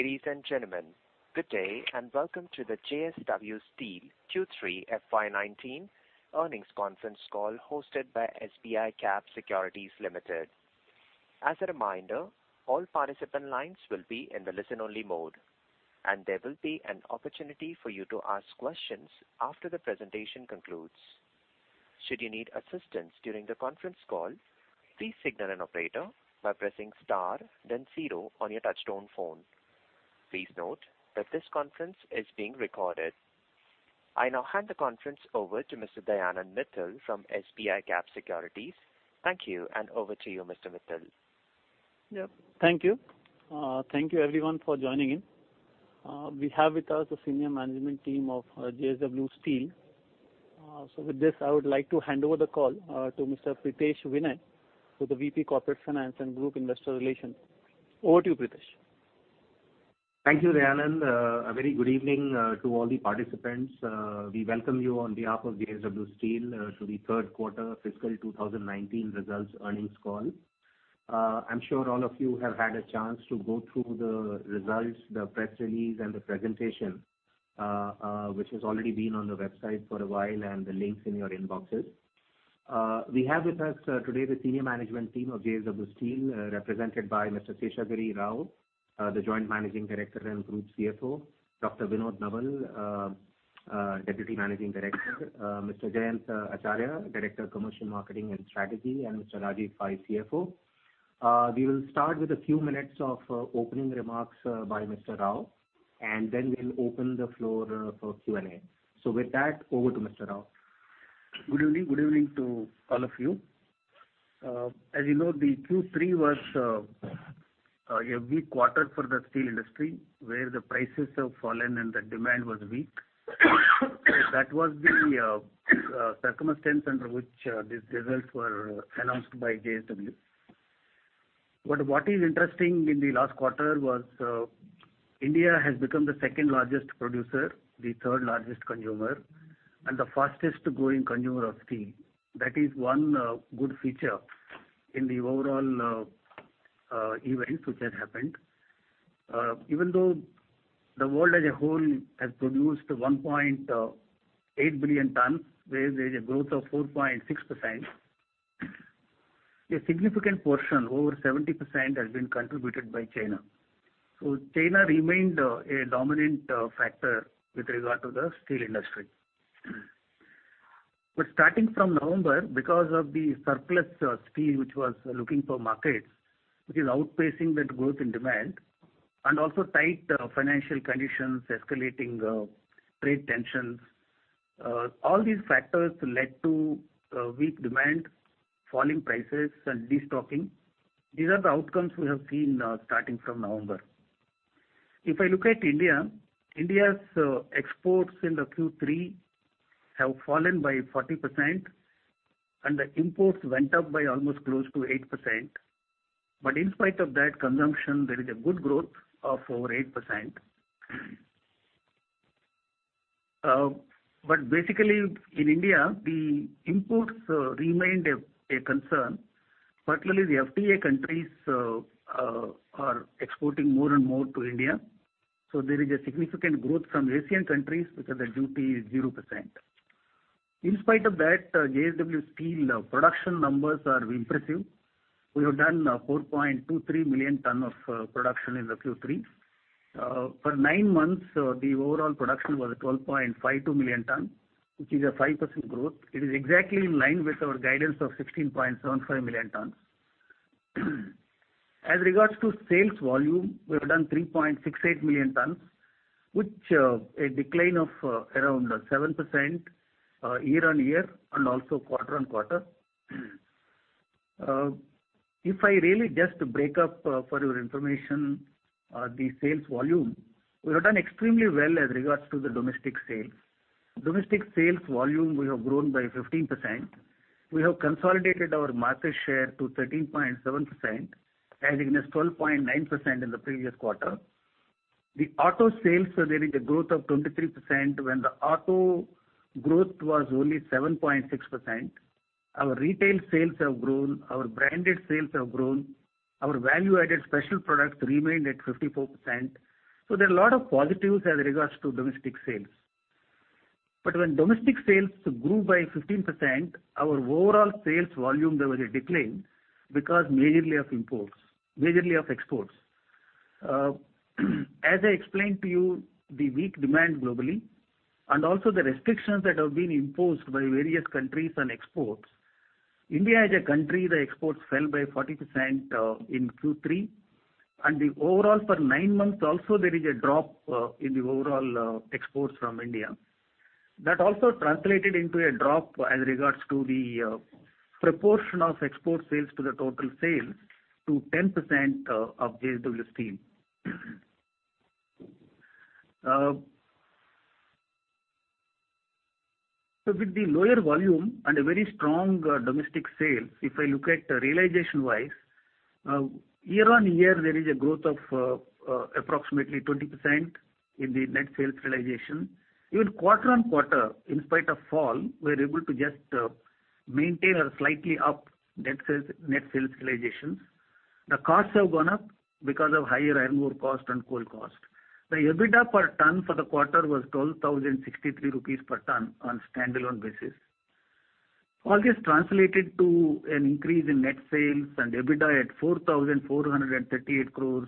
Ladies, and gentlemen, good day and welcome to the JSW Steel Q3 FY 2019 Earnings Conference Call hosted by SBI Cap Securities Limited. As a reminder, all participant lines will be in the listen-only mode, and there will be an opportunity for you to ask questions after the presentation concludes. Should you need assistance during the conference call, please signal an operator by pressing star, then zero on your touchstone phone. Please note that this conference is being recorded. I now hand the conference over to Mr. Dayanand Mittal from SBI Cap Securities. Thank you, and over to you, Mr. Mithil. Thank you. Thank you, everyone, for joining in. We have with us the senior management team of JSW Steel. With this, I would like to hand over the call to Mr. Pritesh Vinay, who's the VP Corporate Finance and Group Investor Relations. Over to you, Pritesh. Thank you, Dayanan. A very good evening to all the participants. We welcome you on behalf of JSW Steel to the third quarter fiscal 2019 results earnings call. I'm sure all of you have had a chance to go through the results, the press release, and the presentation, which has already been on the website for a while and the links in your inboxes. We have with us today the senior management team of JSW Steel, represented by Mr. Seshagiri Rao, the Joint Managing Director and Group CFO, Dr. Vinod Nowal, Deputy Managing Director, Mr. Jayant Acharya, Director Commercial, Marketing, and Strategy, and Mr. Rajeev Pai, CFO. We will start with a few minutes of opening remarks by Mr. Rao, and then we'll open the floor for Q&A. With that, over to Mr. Rao. Good evening. Good evening to all of you. As you know, the Q3 was a weak quarter for the steel industry, where the prices have fallen and the demand was weak. That was the circumstance under which these results were announced by JSW Steel. What is interesting in the last quarter was, India has become the second largest producer, the third largest consumer, and the fastest growing consumer of steel. That is one good feature in the overall events which has happened. Even though the world as a whole has produced 1.8 billion tons, where there is a growth of 4.6%, a significant portion, over 70%, has been contributed by China. China remained a dominant factor with regard to the steel industry. Starting from November, because of the surplus, steel which was looking for markets, which is outpacing that growth in demand, and also tight financial conditions, escalating trade tensions, all these factors led to weak demand, falling prices, and destocking. These are the outcomes we have seen, starting from November. If I look at India, India's exports in the Q3 have fallen by 40%, and the imports went up by almost close to 8%. In spite of that consumption, there is a good growth of over 8%. Basically, in India, the imports remained a concern, particularly the FTA countries are exporting more and more to India. There is a significant growth from Asian countries because the duty is 0%. In spite of that, JSW Steel production numbers are impressive. We have done 4.23 million tons of production in the Q3. For nine months, the overall production was 12.52 million tons, which is a 5% growth. It is exactly in line with our guidance of 16.75 million tons. As regards to sales volume, we have done 3.68 million tons, which, a decline of, around 7%, year-on-year and also quarter-on-quarter. If I really just break up, for your information, the sales volume, we have done extremely well as regards to the domestic sales. Domestic sales volume we have grown by 15%. We have consolidated our market share to 13.7%, as it was 12.9% in the previous quarter. The auto sales, so there is a growth of 23% when the auto growth was only 7.6%. Our retail sales have grown. Our branded sales have grown. Our value-added special products remained at 54%. There are a lot of positives as regards to domestic sales. When domestic sales grew by 15%, our overall sales volume, there was a decline because mainly of imports, mainly of exports. As I explained to you, the weak demand globally and also the restrictions that have been imposed by various countries on exports, India as a country, the exports fell by 40% in Q3. For the overall nine months, also there is a drop in the overall exports from India. That also translated into a drop as regards to the proportion of export sales to the total sales to 10% of JSW Steel. With the lower volume and a very strong domestic sales, if I look at realization-wise, year-on-year, there is a growth of approximately 20% in the net sales realization. Even quarter-on-quarter, in spite of the fall, we are able to just maintain a slightly up net sales, net sales realizations. The costs have gone up because of higher iron ore cost and coal cost. The EBITDA per ton for the quarter was 12,063 rupees per ton on standalone basis. All this translated to an increase in net sales and EBITDA at 4,438 crore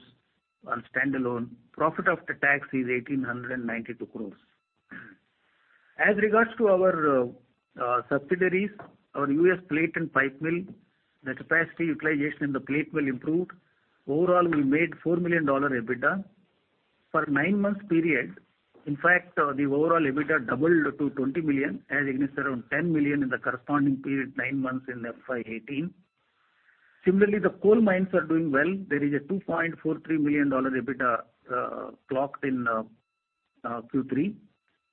on standalone. Profit after tax is 1,892 crore. As regards to our subsidiaries, our U.S. Plate and Pipe Mill, the capacity utilization in the Plate Mill improved. Overall, we made $4 million EBITDA for a nine-month period. In fact, the overall EBITDA doubled to $20 million, as it is around $10 million in the corresponding period, nine months in FY 2018. Similarly, the coal mines are doing well. There is a $2.43 million EBITDA, clocked in, Q3.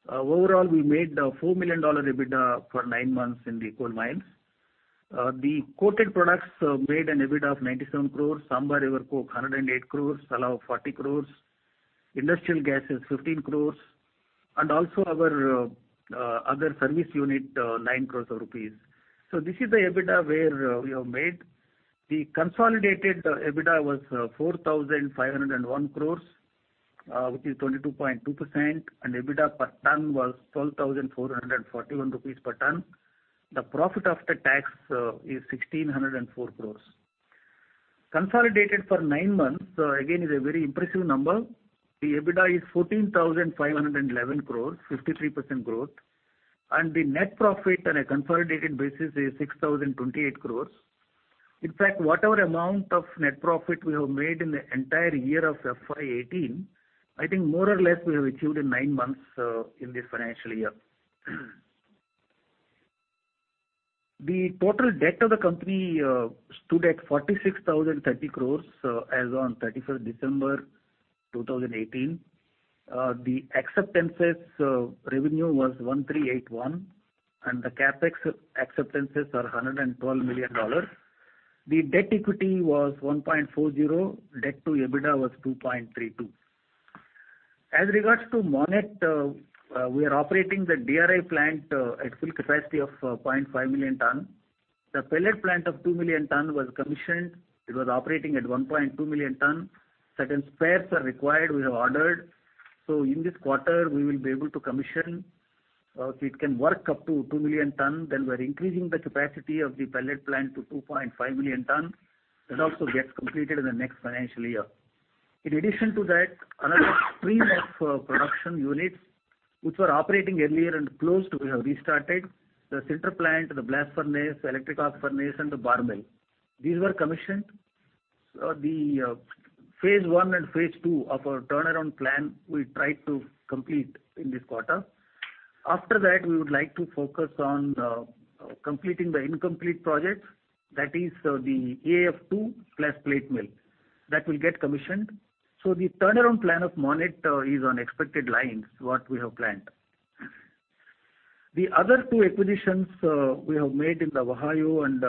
Overall, we made a $4 million EBITDA for nine months in the coal mines. The quoted products made an EBITDA of 97 crore, Amba River Coke 108 crore, Salav 40 crore, Industrial Gases 15 crore, and also our other service unit, 9 crore rupees. This is the EBITDA where we have made. The consolidated EBITDA was 4,501 crore, which is 22.2%, and EBITDA per ton was 12,441 crore rupees per ton. The profit after tax is 1,604 crore. Consolidated for nine months, again, is a very impressive number. The EBITDA is 14,511 crore, 53% growth. The net profit on a consolidated basis is 6,028 crore. In fact, whatever amount of net profit we have made in the entire year of FY 2018, I think more or less we have achieved in nine months in this financial year. The total debt of the company stood at 46,030 crore as of 31 December 2018. The acceptances revenue was 1,381 crore, and the CapEx acceptances are $112 million. The debt equity was 1.40. Debt to EBITDA was 2.32. As regards to Monnet, we are operating the DRI plant at full capacity of 0.5 million ton. The pellet plant of 2 million ton was commissioned. It was operating at 1.2 million ton. Certain spares are required. We have ordered. In this quarter, we will be able to commission, so it can work up to 2 million ton. We are increasing the capacity of the pellet plant to 2.5 million ton. That also gets completed in the next financial year. In addition to that, another stream of production units, which were operating earlier and closed, we have restarted the sinter plant, the blast furnace, electric arc furnace, and the bar mill. These were commissioned. The phase one and phase two of our turnaround plan we tried to complete in this quarter. After that, we would like to focus on completing the incomplete project. That is, the EAF-2 Plast Plate Mill. That will get commissioned. The turnaround plan of Monnet is on expected lines, what we have planned. The other two acquisitions we have made in Ohio and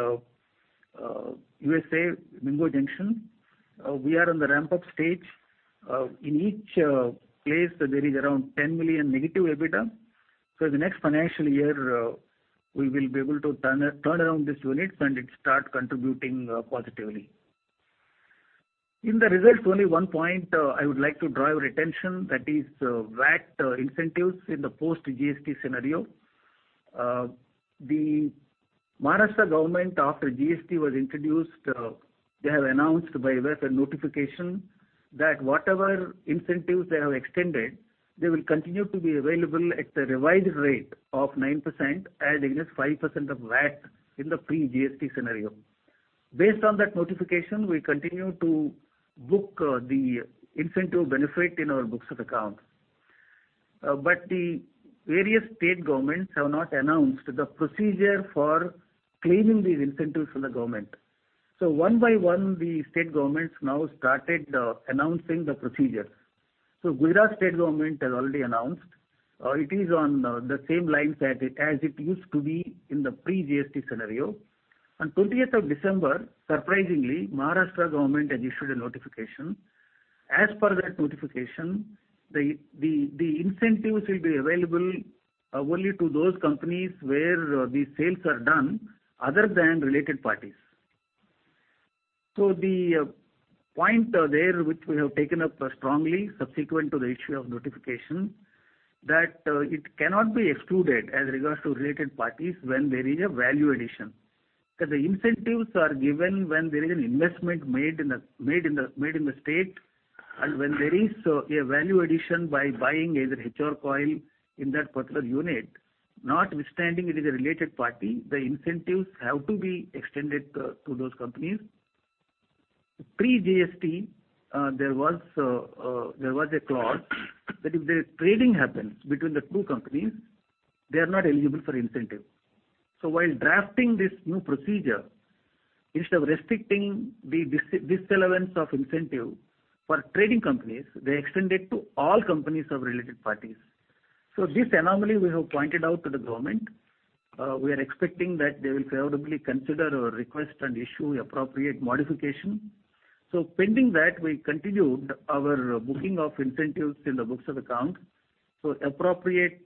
USA Mingo Junction, we are on the ramp-up stage. In each place, there is around $10 million negative EBITDA. In the next financial year, we will be able to turn around these units and start contributing positively. In the results, only one point I would like to draw your attention. That is, VAT incentives in the post-GST scenario. The Maharashtra government, after GST was introduced, they have announced by a web notification that whatever incentives they have extended, they will continue to be available at the revised rate of 9%, as it is 5% of VAT in the pre-GST scenario. Based on that notification, we continue to book the incentive benefit in our books of accounts. The various state governments have not announced the procedure for claiming these incentives from the government. One by one, the state governments now started announcing the procedures. Gujarat state government has already announced. It is on the same lines as it used to be in the pre-GST scenario. On 20th of December, surprisingly, Maharashtra government has issued a notification. As per that notification, the incentives will be available only to those companies where the sales are done other than related parties. The point there which we have taken up strongly, subsequent to the issue of notification, is that it cannot be excluded as regards to related parties when there is a value addition. Because the incentives are given when there is an investment made in the state, and when there is a value addition by buying either HR coil in that particular unit, notwithstanding it is a related party, the incentives have to be extended to those companies. Pre-GST, there was a clause that if there is trading happens between the two companies, they are not eligible for incentive. While drafting this new procedure, instead of restricting the disallowance of incentive for trading companies, they extended to all companies of related parties. This anomaly we have pointed out to the government. We are expecting that they will favorably consider our request and issue appropriate modification. Pending that, we continued our booking of incentives in the books of accounts. Appropriate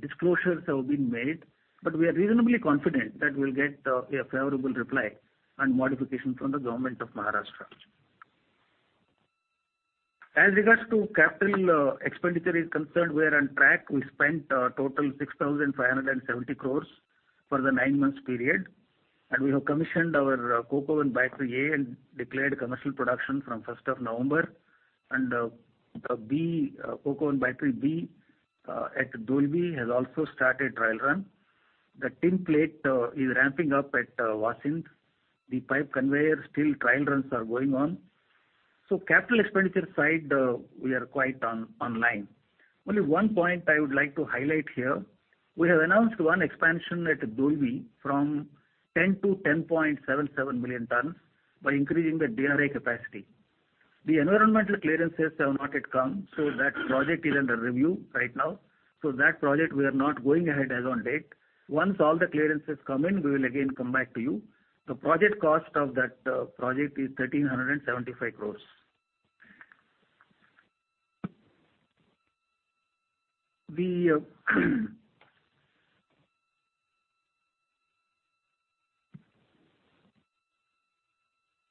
disclosures have been made. We are reasonably confident that we'll get a favorable reply and modification from the government of Maharashtra. As regards to capital expenditure is concerned, we are on track. We spent, total 6,570 crore for the nine-month period. We have commissioned our coke oven battery A and declared commercial production from 1st of November. The coke oven battery B at Dolvi has also started trial run. The tin plate is ramping up at Vasind. The pipe conveyor still trial runs are going on. On the capital expenditure side, we are quite on line. Only one point I would like to highlight here. We have announced one expansion at Dolvi from 10 million-10.77 million tons by increasing the DRI capacity. The environmental clearances have not yet come. That project is under review right now. That project, we are not going ahead as on date. Once all the clearances come in, we will again come back to you. The project cost of that project is 1,375 crore.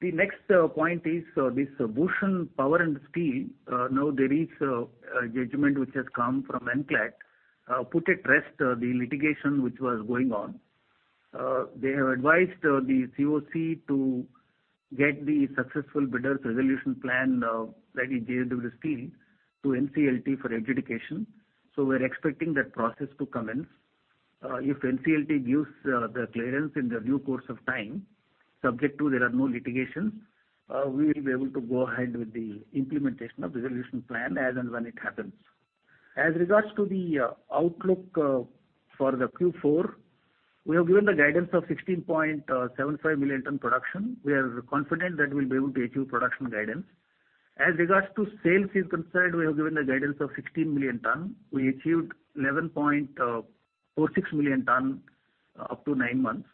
The next point is this Bhushan Power and Steel. Now there is a judgment which has come from NCLAT, put at rest the litigation which was going on. They have advised the COC to get the successful bidder's resolution plan, that is JSW Steel, to NCLT for adjudication. We are expecting that process to commence. If NCLT gives the clearance in the due course of time, subject to there are no litigations, we will be able to go ahead with the implementation of the resolution plan as and when it happens. As regards to the outlook for Q4, we have given the guidance of 16.75 million ton production. We are confident that we will be able to achieve production guidance. As regards to sales is concerned, we have given the guidance of 16 million ton. We achieved 11.46 million ton, up to nine months.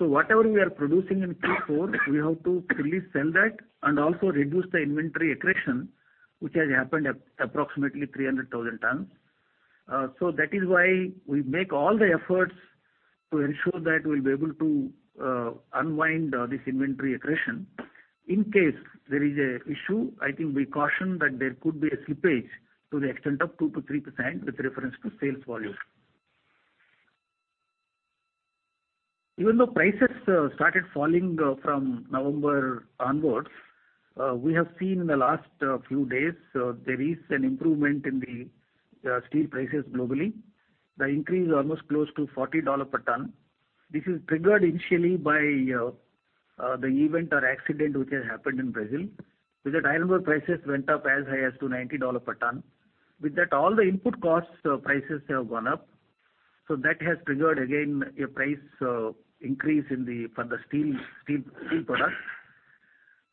Whatever we are producing in Q4, we have to fully sell that and also reduce the inventory accretion, which has happened at approximately 300,000 tons. That is why we make all the efforts to ensure that we'll be able to unwind this inventory accretion. In case there is an issue, I think we caution that there could be a slippage to the extent of 2%-3% with reference to sales volume. Even though prices started falling from November onwards, we have seen in the last few days there is an improvement in the steel prices globally. The increase almost close to $40 per ton. This is triggered initially by the event or accident which has happened in Brazil, with that iron ore prices went up as high as to $90 per ton. With that, all the input costs, prices have gone up. That has triggered again a price increase in the, for the steel, steel product.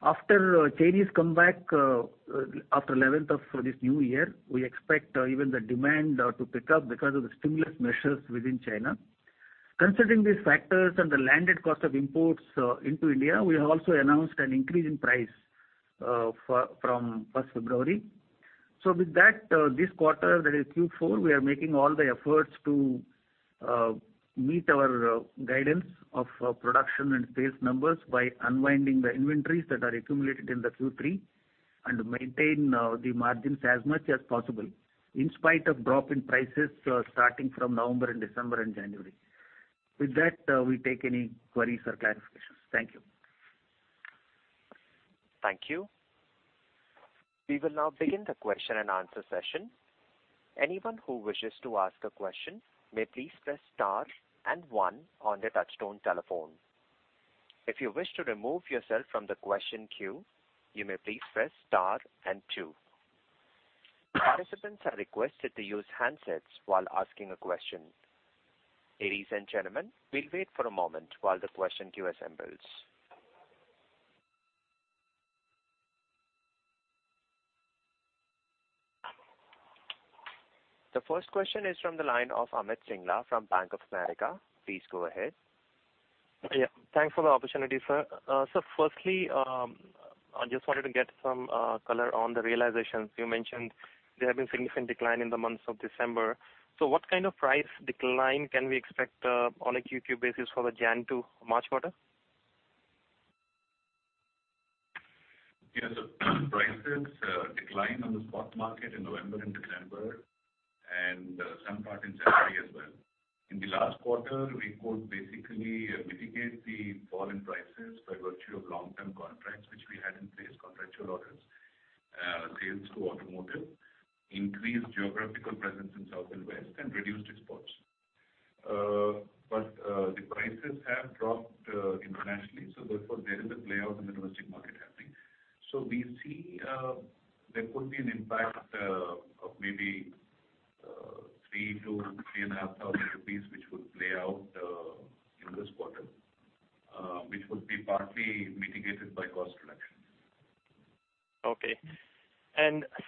After Chinese comeback, after 11th of this new year, we expect even the demand to pick up because of the stimulus measures within China. Considering these factors and the landed cost of imports into India, we have also announced an increase in price for from 1st February. With that, this quarter, that is Q4, we are making all the efforts to meet our guidance of production and sales numbers by unwinding the inventories that are accumulated in Q3 and maintain the margins as much as possible in spite of drop in prices, starting from November and December and January. With that, we take any queries or clarifications. Thank you. Thank you. We will now begin the question and answer session. Anyone who wishes to ask a question may please press star and one on the touchstone telephone. If you wish to remove yourself from the question queue, you may please press star and two. Participants are requested to use handsets while asking a question. Ladies and gentlemen, we'll wait for a moment while the question queue assembles. The first question is from the line of Amit Sinha from Bank of America. Please go ahead. Yeah. Thanks for the opportunity, sir. Firstly, I just wanted to get some color on the realizations. You mentioned there have been significant decline in the months of December. What kind of price decline can we expect on a quarter-on-quarter basis for the January to March quarter? Yes. Prices declined on the spot market in November and December, and some part in January as well. In the last quarter, we could basically mitigate the fall in prices by virtue of long-term contracts which we had in place, contractual orders, sales to automotive, increased geographical presence in South and West, and reduced exports. However, the prices have dropped internationally. Therefore, there is a play out in the domestic market happening. We see there could be an impact of maybe 3,000 crore-3,500 crore rupees which would play out in this quarter, which would be partly mitigated by cost reduction. Okay.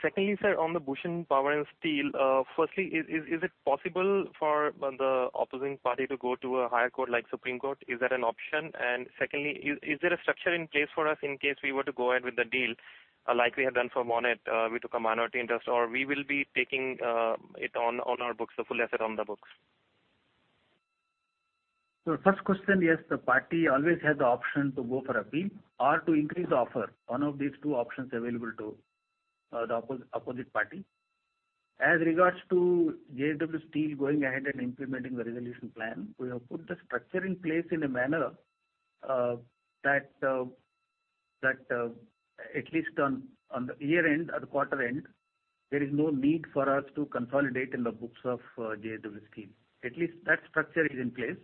Secondly, sir, on the Bhushan Power and Steel, firstly, is it possible for the opposing party to go to a higher court like Supreme Court? Is that an option? Secondly, is there a structure in place for us in case we were to go ahead with the deal, like we have done for Monnet, we took a minority interest, or we will be taking it on our books, the full asset on the books? The first question, yes, the party always has the option to go for appeal or to increase the offer, one of these two options available to the opposite party. As regards to JSW Steel going ahead and implementing the resolution plan, we have put the structure in place in a manner that, at least on the year end or the quarter end, there is no need for us to consolidate in the books of JSW Steel. At least that structure is in place,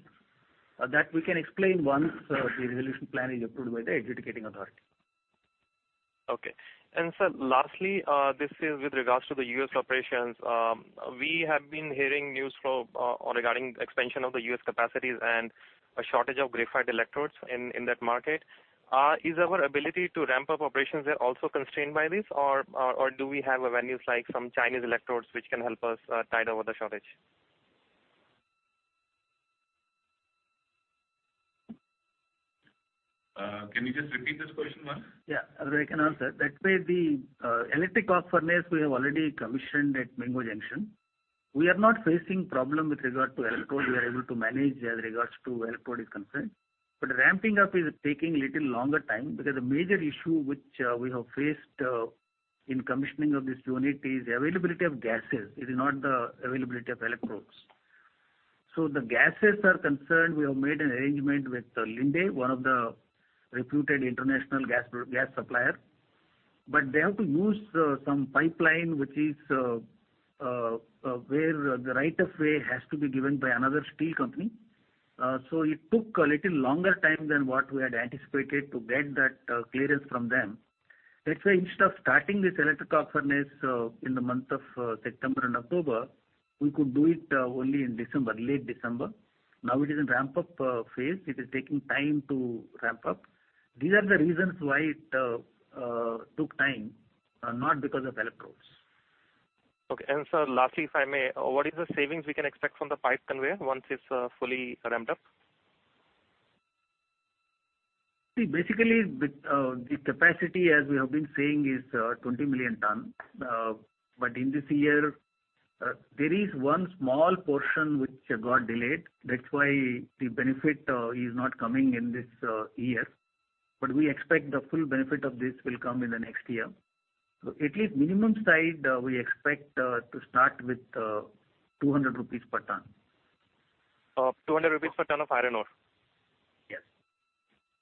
that we can explain once the resolution plan is approved by the adjudicating authority. Okay. Sir, lastly, this is with regards to the US operations. We have been hearing news regarding the expansion of the US capacities and a shortage of graphite electrodes in that market. Is our ability to ramp up operations there also constrained by this, or do we have avenues like some Chinese electrodes which can help us tide over the shortage? Can you just repeat this question once? Yeah. As I can answer, that way, the electric arc furnace we have already commissioned at Mingo Junction. We are not facing problem with regard to electrode. We are able to manage as regards to electrode is concerned. Ramping up is taking a little longer time because the major issue which we have faced in commissioning of this unit is the availability of gases. It is not the availability of electrodes. As far as the gases are concerned, we have made an arrangement with Linde, one of the reputed international gas suppliers. They have to use some pipeline which is where the right of way has to be given by another steel company. It took a little longer time than what we had anticipated to get that clearance from them. That's why instead of starting this electric arc furnace, in the month of September and October, we could do it only in December, late December. Now it is in ramp-up phase. It is taking time to ramp up. These are the reasons why it took time, not because of electrodes. Okay. Sir, lastly, if I may, what is the savings we can expect from the pipe conveyor once it's fully ramped up? See, basically, the capacity, as we have been saying, is 20 million ton. In this year, there is one small portion which got delayed. That's why the benefit is not coming in this year. We expect the full benefit of this will come in the next year. At least minimum side, we expect, to start with, 200 crore rupees per ton. Of 200 crore rupees per ton of iron ore? Yes.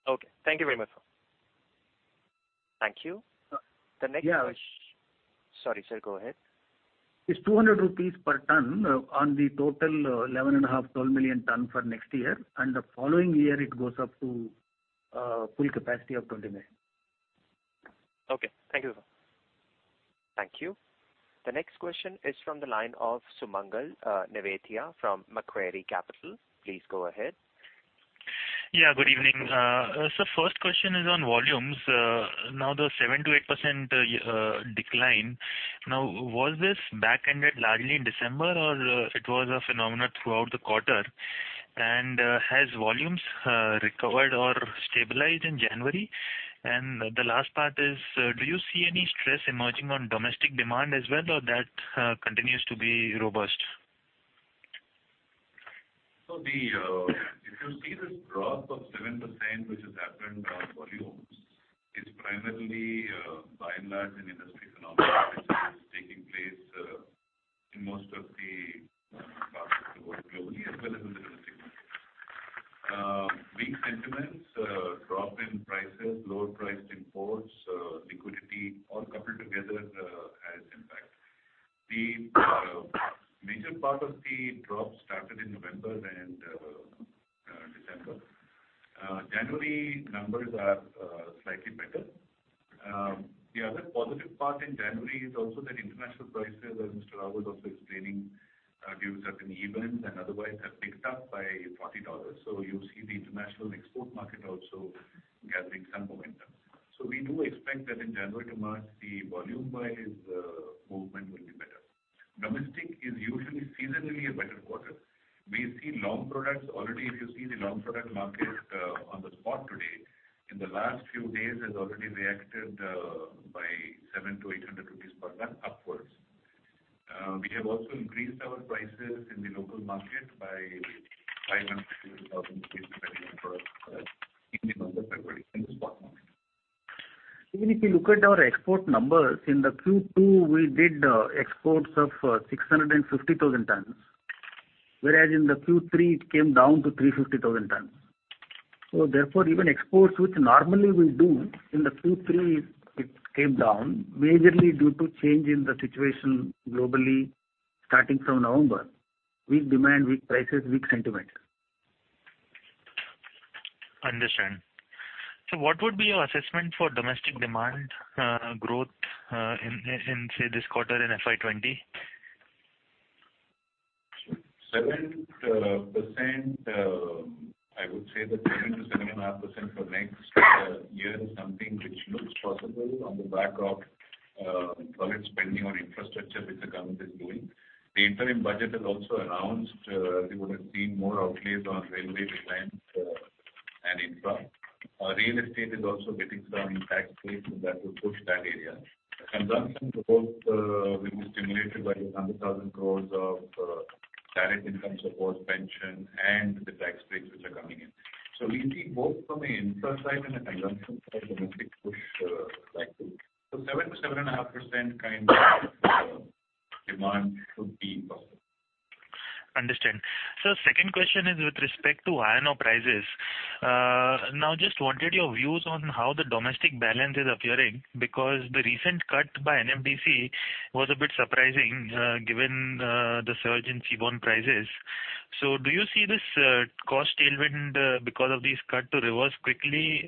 Okay. Thank you very much, sir. Thank you. The next question. Yeah. Sorry, sir. Go ahead. It's 200 crore rupees per ton on the total, 11.5 million-12 million ton for next year. The following year, it goes up to full capacity of 20 million. Okay. Thank you, sir. Thank you. The next question is from the line of Sumangal Nevatia from Macquarie Capital. Please go ahead. Yeah. Good evening. First question is on volumes. Now the 7%-8% decline, was this back-ended largely in December, or was it a phenomenon throughout the quarter? Has volumes recovered or stabilized in January? The last part is, do you see any stress emerging on domestic demand as well, or that continues to be robust? If you see this drop of 7% which has happened, volumes is primarily, by and large an industry phenomenon which is taking place, in most of the parts of the world globally as well as in the domestic market. Big sentiments, drop in prices, lower priced imports, liquidity, all coupled together, has impact. The major part of the drop started in November and December. January numbers are slightly better. The other positive part in January is also that international prices, as Mr. Rao was also explaining, due to certain events and otherwise have picked up by $40. You see the international export market also gathering some momentum. We do expect that in January to March, the volume-wise movement will be better. Domestic is usually seasonally a better quarter. We see long products already. If you see the long product market, on the spot today, in the last few days has already reacted, by 700 crore-800 crore rupees per ton upwards. We have also increased our prices in the local market by 500 crore-2,000 crore rupees depending on product in the month of February in the spot market. Even if you look at our export numbers, in the Q2, we did exports of 650,000 tons, whereas in the Q3, it came down to 350,000 tons. Therefore, even exports which normally we do in the Q3, it came down majorly due to change in the situation globally starting from November, weak demand, weak prices, weak sentiment. Understand. What would be your assessment for domestic demand growth in, in, say, this quarter in FY 2020? 7%, I would say that 7%-7.5% for next year is something which looks possible on the back of college spending on infrastructure which the government is doing. The interim budget has also announced, as you would have seen, more outlays on railway design, and infra. Real estate is also getting some tax space, and that will push that area. The consumption growth will be stimulated by the 100,000 crore of direct income support pension and the tax space which are coming in. We see both from an infra side and a consumption side domestic push, like this. 7%-7.5% kind of demand could be possible. Understand. Sir, second question is with respect to iron ore prices. Now just wanted your views on how the domestic balance is appearing because the recent cut by NMDC was a bit surprising, given the surge in seaborne prices. Do you see this cost tailwind because of these cut to reverse quickly,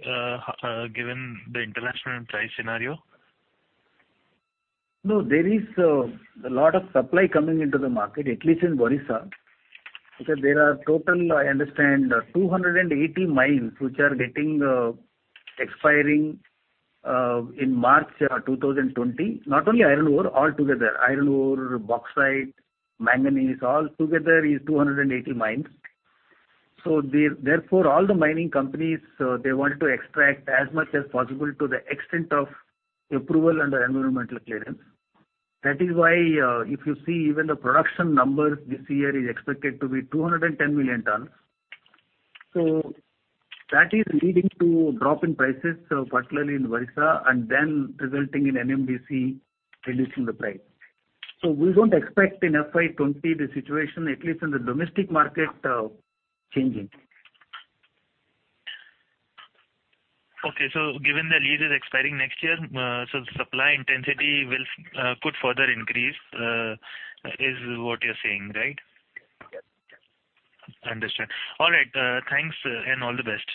given the international price scenario? No, there is a lot of supply coming into the market, at least in Odisha. Because there are total, I understand, 280 mines which are getting, expiring, in March 2020. Not only iron ore, all together. Iron ore, bauxite, manganese, all together is 280 mines. Therefore, all the mining companies, they want to extract as much as possible to the extent of approval under environmental clearance. That is why, if you see even the production numbers this year is expected to be 210 million tons. That is leading to drop in prices, particularly in Odisha, and then resulting in NMDC releasing the price. We do not expect in FY 2020 the situation, at least in the domestic market, changing. Okay. Given the lease is expiring next year, the supply intensity will, could further increase, is what you're saying, right? Yes. Understood. All right. Thanks, and all the best.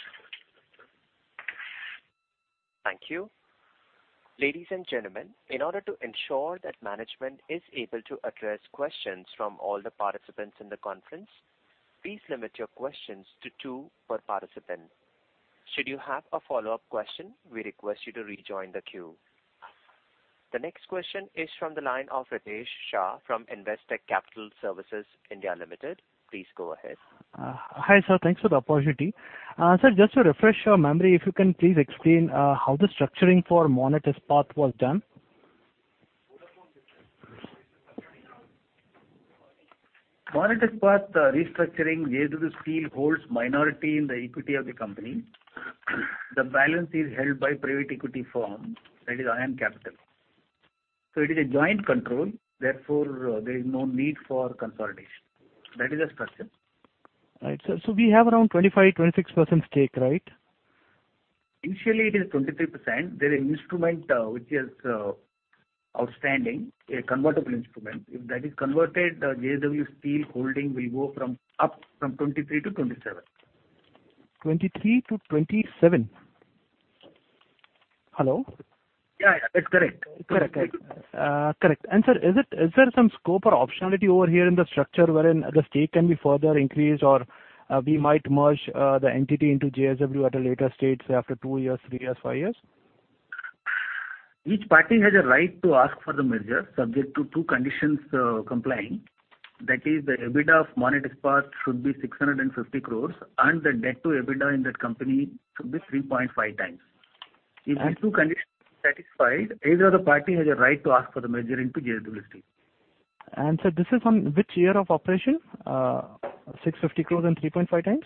Thank you. Ladies and gentlemen, in order to ensure that management is able to address questions from all the participants in the conference, please limit your questions to two per participant. Should you have a follow-up question, we request you to rejoin the queue. The next question is from the line of Ritesh Shah from Investec Capital Services India Limited. Please go ahead. Hi sir. Thanks for the opportunity. Sir, just to refresh your memory, if you can please explain how the structuring for Monnet Ispat was done. Monnet Ispat, restructuring, JSW Steel holds minority in the equity of the company. The balance is held by private equity firm. That is AION Capital. It is a joint control. Therefore, there is no need for consolidation. That is the structure. All right. We have around 25%-26% stake, right? Initially, it is 23%. There is an instrument, which is outstanding, a convertible instrument. If that is converted, JSW Steel holding will go up from 23%-27%. 23%-27%. Hello? Yeah, yeah. That's correct. Correct. Correct. Correct. Sir, is there some scope or optionality over here in the structure wherein the stake can be further increased or we might merge the entity into JSW at a later stage, say, after two years, three years, five years? Each party has a right to ask for the merger, subject to two conditions, complying. That is, the EBITDA of Monnet Ispat should be 6.5 billion crore, and the debt to EBITDA in that company should be 3.5 times. If these two conditions are satisfied, either of the parties has a right to ask for the merger into JSW Steel. Sir, this is on which year of operation, 650 crore and 3.5 times?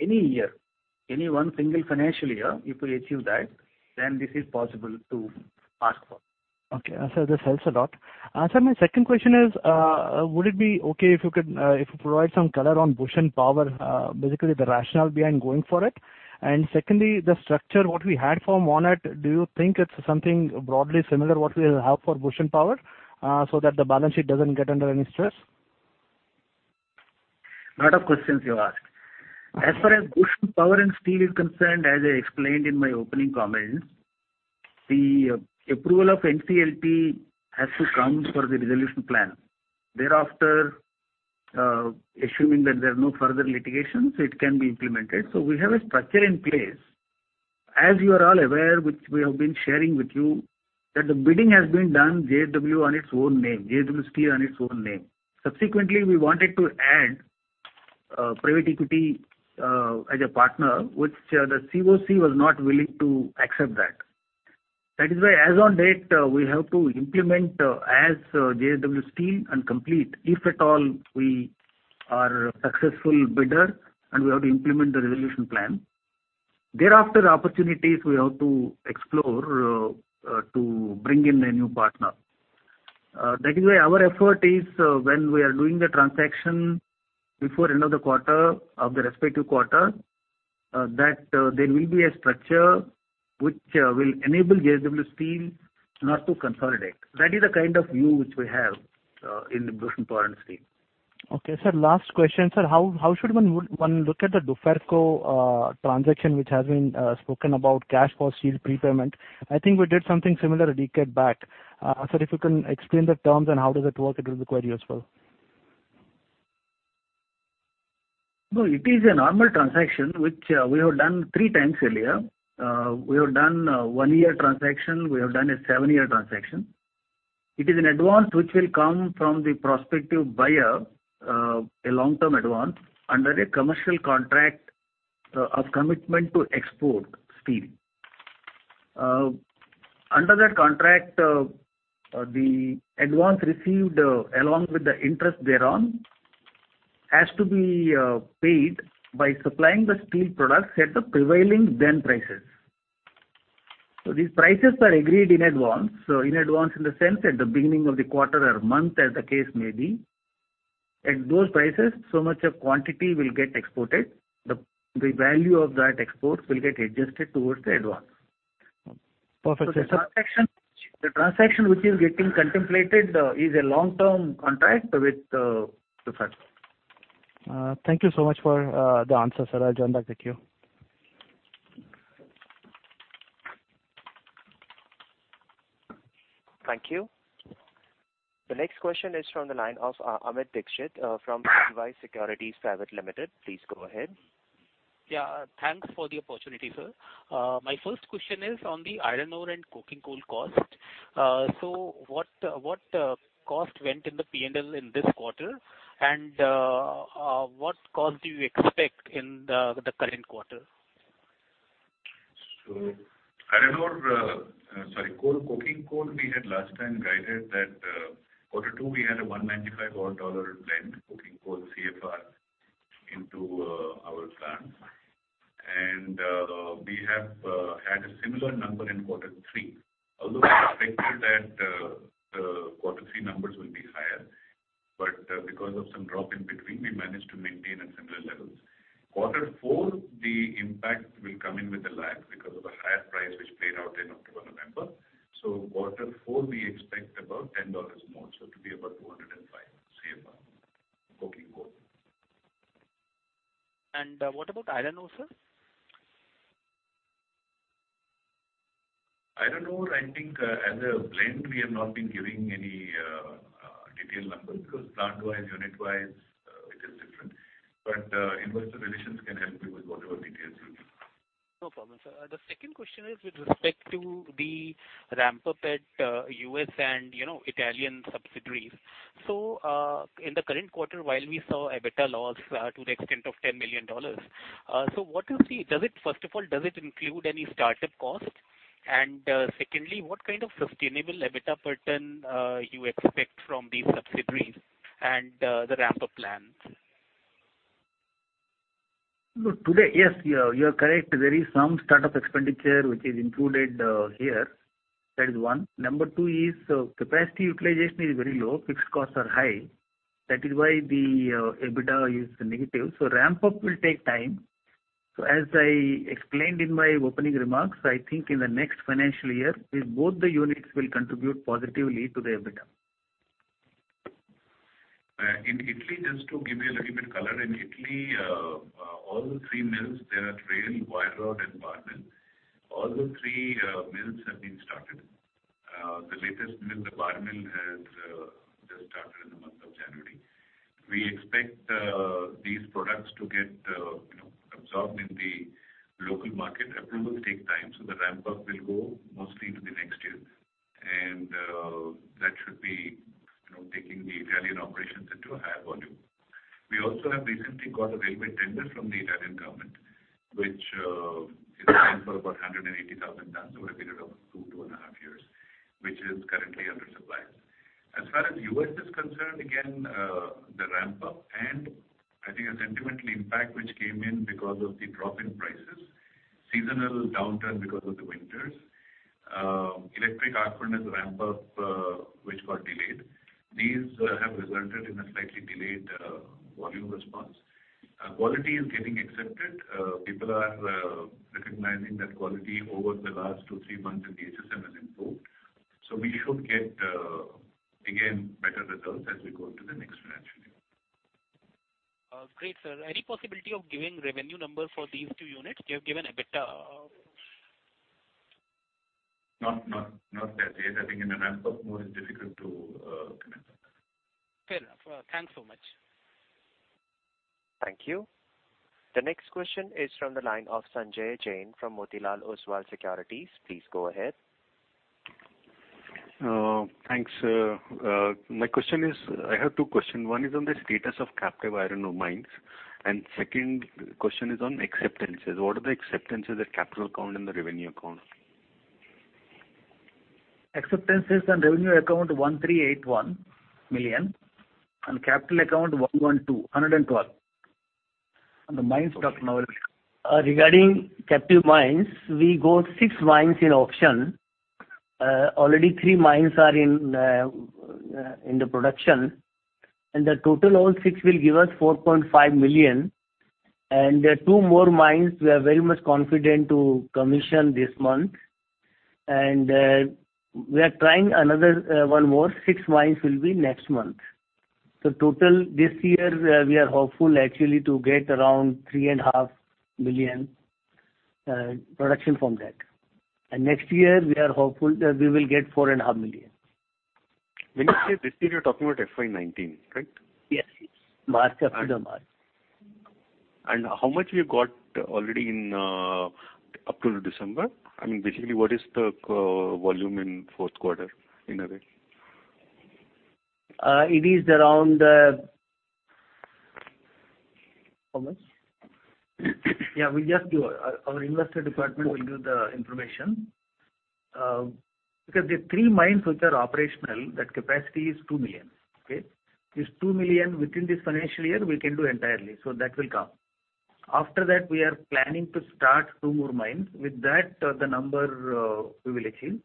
Any year, any one single financial year, if we achieve that, then this is possible to ask for. Okay. Sir, this helps a lot. Sir, my second question is, would it be okay if you could, if you provide some color on Bhushan Power, basically the rationale behind going for it? Secondly, the structure, what we had for Monnet, do you think it's something broadly similar to what we have for Bhushan Power, so that the balance sheet doesn't get under any stress? A lot of questions you asked. As far as Bhushan Power and Steel is concerned, as I explained in my opening comments, the approval of NCLT has to come for the resolution plan. Thereafter, assuming that there are no further litigations, it can be implemented. We have a structure in place. As you are all aware, which we have been sharing with you, the bidding has been done JSW on its own name, JSW Steel on its own name. Subsequently, we wanted to add private equity as a partner, which the COC was not willing to accept. That is why, as of date, we have to implement as JSW Steel and complete, if at all we are a successful bidder, and we have to implement the resolution plan. Thereafter, opportunities we have to explore to bring in a new partner. That is why our effort is, when we are doing the transaction before end of the quarter of the respective quarter, that, there will be a structure which will enable JSW Steel not to consolidate. That is the kind of view which we have, in Bhushan Power and Steel. Okay. Sir, last question. Sir, how should one look at the Duferco transaction which has been spoken about, cash for steel prepayment? I think we did something similar a decade back. Sir, if you can explain the terms and how does it work, it will be quite useful. No, it is a normal transaction which we have done three times earlier. We have done a one-year transaction. We have done a seven-year transaction. It is an advance which will come from the prospective buyer, a long-term advance under a commercial contract, of commitment to export steel. Under that contract, the advance received, along with the interest thereon, has to be paid by supplying the steel products at the prevailing then prices. These prices are agreed in advance, in advance in the sense at the beginning of the quarter or month, as the case may be. At those prices, so much of quantity will get exported. The value of that export will get adjusted towards the advance. Perfect. The transaction, the transaction which is getting contemplated, is a long-term contract with Duferco. Thank you so much for the answer, sir. I'll join back the queue. Thank you. The next question is from the line of Amit Dixit from Edelweiss Securities. Please go ahead. Yeah. Thanks for the opportunity, sir. My first question is on the iron ore and coking coal cost. What cost went in the P&L in this quarter? What cost do you expect in the current quarter? Iron ore, sorry, coal, coking coal, we had last time guided that, quarter two, we had a $195 blend, coking coal, CFR, into our plan. We have had a similar number in quarter three. Although we expected that quarter three numbers will be higher, because of some drop in between, we managed to maintain at similar levels. Quarter four, the impact will come in with a lag because of a higher price which played out in October, November. Quarter four, we expect about $10 more, so to be about $205 CFR coking coal. What about iron ore, sir? Iron ore, I think, as a blend, we have not been giving any detailed number because plant-wise, unit-wise, it is different. However, investor relations can help you with whatever details you need. No problem. Sir, the second question is with respect to the Ramp-up at U.S. and, you know, Italian subsidiaries. In the current quarter, while we saw EBITDA loss, to the extent of $10 million, what do you see? Does it, first of all, does it include any startup cost? Secondly, what kind of sustainable EBITDA pattern do you expect from these subsidiaries and the Ramp-up plan? Look, today, yes, you're correct. There is some startup expenditure which is included here. That is one. Number two is, capacity utilization is very low. Fixed costs are high. That is why the EBITDA is negative. Ramp-up will take time. As I explained in my opening remarks, I think in the next financial year, both the units will contribute positively to the EBITDA. In Italy, just to give you a little bit of color, in Italy, all the three mills, they are Rail, Wire Rod, and Bar Mill. All the three mills have been started. The latest mill, the Bar Mill, has just started in the month of January. We expect these products to get, you know, absorbed in the local market. Approvals take time, so the Ramp-up will go mostly into the next year. That should be, you know, taking the Italian operations into a higher volume. We also have recently got a railway tender from the Italian government, which is planned for about 180,000 tons over a period of two, two and a half years, which is currently undersupplied. As far as U.S. is concerned, again, the Ramp-up and I think a sentimental impact which came in because of the drop in prices, seasonal downturn because of the winters, electric arc furnace Ramp-up, which got delayed. These have resulted in a slightly delayed volume response. Quality is getting accepted. People are recognizing that quality over the last two, three months in the HSM has improved. We should get, again, better results as we go into the next financial year. Great, sir. Any possibility of giving revenue number for these two units? You have given EBITDA, Not as yet. I think in the Ramp-up mode, it's difficult to comment on that. Fair enough. Thanks so much. Thank you. The next question is from the line of Sanjay Jain from Motilal Oswal Securities. Please go ahead. Thanks. My question is, I have two questions. One is on the status of captive iron ore mines. And second question is on acceptances. What are the acceptances at capital account and the revenue account? Acceptances on revenue account, 138.1 million crore, and capital account, 112 million crore. The mines talked about. Regarding captive mines, we got six mines in auction. Already three mines are in production. The total, all six, will give us 4.5 million. Two more mines we are very much confident to commission this month. We are trying another one more. Six mines will be next month. Total this year, we are hopeful actually to get around 3.5 million production from that. Next year, we are hopeful that we will get 4.5 million. When you say this year, you're talking about FY 2019, right? Yes. March, after the March. How much we got already in, up to December? I mean, basically, what is the volume in fourth quarter in a way? It is around, how much? Yeah, we just do, our investor department will do the information. Because the three mines which are operational, that capacity is 2 million, okay? This 2 million within this financial year, we can do entirely. That will come. After that, we are planning to start two more mines. With that, the number, we will achieve.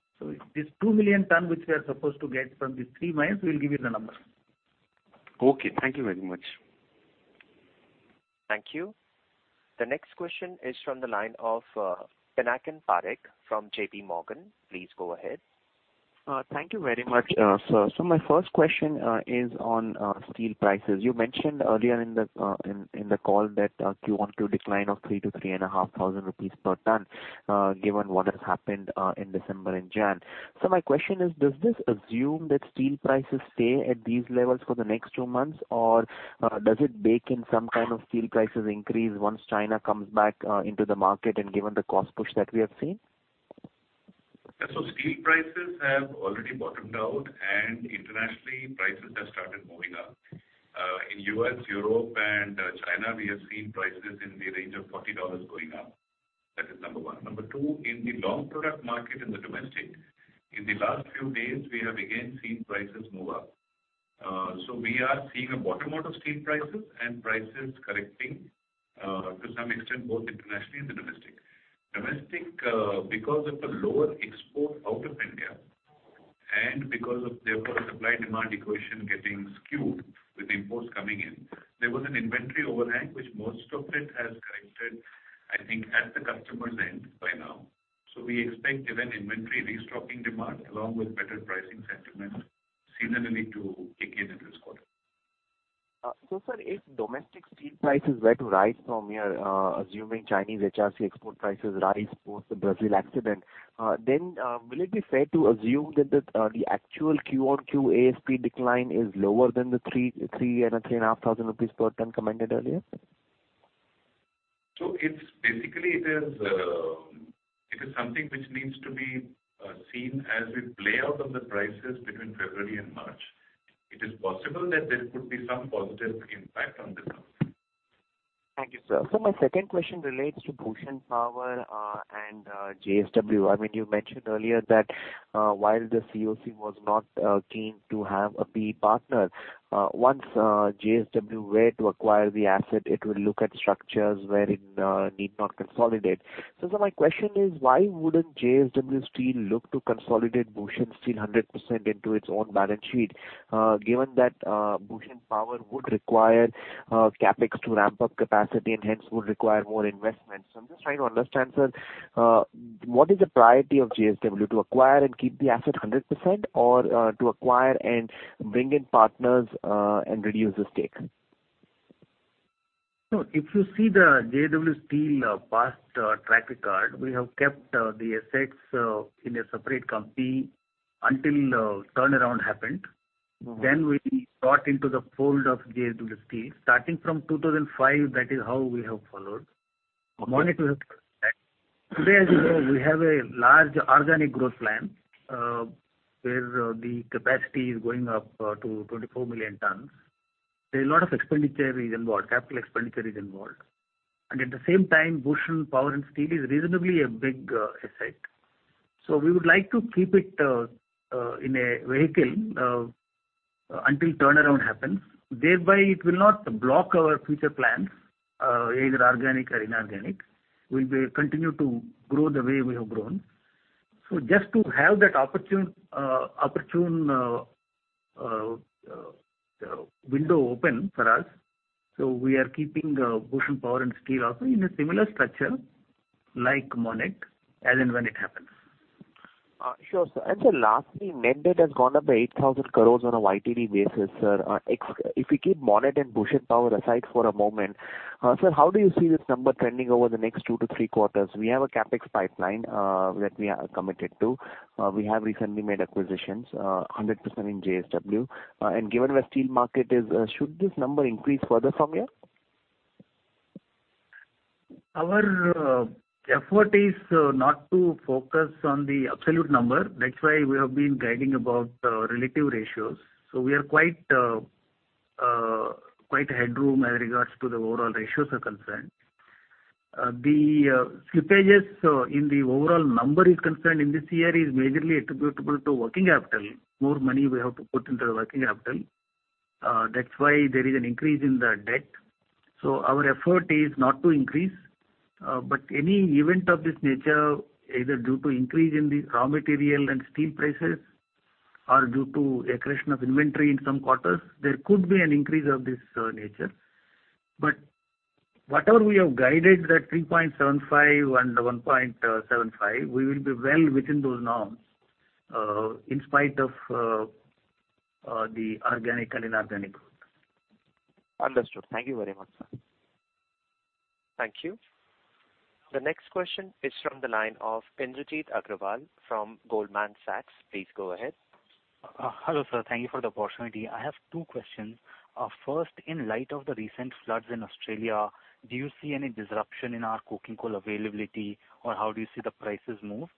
This 2 million ton which we are supposed to get from these three mines, we'll give you the number. Okay. Thank you very much. Thank you. The next question is from the line of Pinakin Parekh from JP Morgan. Please go ahead. Thank you very much, sir. My first question is on steel prices. You mentioned earlier in the call that you want a decline of 3,000 crore-3,500 crore rupees per ton, given what has happened in December and January. My question is, does this assume that steel prices stay at these levels for the next two months, or does it bake in some kind of steel price increase once China comes back into the market, given the cost push that we have seen? Yeah. Steel prices have already bottomed out, and internationally, prices have started moving up. In the U.S., Europe, and China, we have seen prices in the range of $40 going up. That is number one. Number two, in the long product market in the domestic, in the last few days, we have again seen prices move up. We are seeing a bottom out of steel prices and prices correcting, to some extent, both internationally and the domestic. Domestic, because of the lower export out of India and because of, therefore, the supply-demand equation getting skewed with the imports coming in, there was an inventory overhang which most of it has corrected, I think, at the customer's end by now. We expect even inventory restocking demand along with better pricing sentiment seasonally to kick in in this quarter. Sir, if domestic steel prices were to rise from here, assuming Chinese HRC export prices rise post the Brazil accident, then will it be fair to assume that the actual Q-o-Q ASP decline is lower than the three, three and a half thousand rupees per ton commented earlier? It is basically, it is something which needs to be seen as we play out the prices between February and March. It is possible that there could be some positive impact on this something. Thank you, sir. My second question relates to Bhushan Power and JSW. I mean, you mentioned earlier that, while the COC was not keen to have a PE partner, once JSW were to acquire the asset, it will look at structures where it need not consolidate. Sir, my question is, why would JSW Steel not look to consolidate Bhushan Steel 100% into its own balance sheet, given that Bhushan Power would require CapEx to ramp up capacity and hence would require more investments? I am just trying to understand, sir, what is the priority of JSW, to acquire and keep the asset 100%, or to acquire and bring in partners, and reduce the stakes? If you see the JSW Steel past track record, we have kept the assets in a separate company until turnaround happened. Then we brought into the fold of JSW Steel. Starting from 2005, that is how we have followed. The moment we have today, as you know, we have a large organic growth plan, where the capacity is going up to 24 million tons. There is a lot of expenditure involved. Capital expenditure is involved. At the same time, Bhushan Power and Steel is reasonably a big asset. We would like to keep it in a vehicle until turnaround happens. Thereby, it will not block our future plans, either organic or inorganic. We will continue to grow the way we have grown. Just to have that opportune window open for us, we are keeping Bhushan Power and Steel also in a similar structure like Monnet, as and when it happens. Sure, sir. Lastly, net debt has gone up by 8,000 crore on a year-to-date basis, sir. If we keep Monnet and Bhushan Power aside for a moment, sir, how do you see this number trending over the next two to three quarters? We have a CapEx pipeline that we are committed to. We have recently made acquisitions, 100% in JSW. Given where the steel market is, should this number increase further from here? Our effort is not to focus on the absolute number. That's why we have been guiding about relative ratios. We are quite, quite headroom as regards to the overall ratios are concerned. The slippages in the overall number is concerned in this year is majorly attributable to working capital. More money we have to put into the working capital. That's why there is an increase in the debt. Our effort is not to increase, but any event of this nature, either due to increase in the raw material and steel prices or due to accretion of inventory in some quarters, there could be an increase of this nature. Whatever we have guided, that 3.75 and 1.75, we will be well within those norms, in spite of the organic and inorganic growth. Understood. Thank you very much, sir. Thank you. The next question is from the line of Indrajit Agarwal from Goldman Sachs. Please go ahead. Hello, sir. Thank you for the opportunity. I have two questions. First, in light of the recent floods in Australia, do you see any disruption in our coking coal availability, or how do you see the prices move?